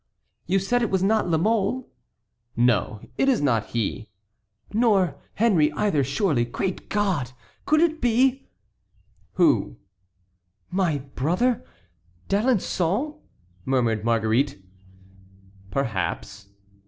"You said it was not La Mole?" "No, it is not he." "Nor Henry either, surely—great God! could it be"— "Who?" "My brother—D'Alençon?" murmured Marguerite. "Perhaps."